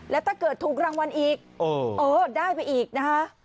แล้วถ้าเกิดถูกรางวัลอีกเออได้ไปอีกนะคะ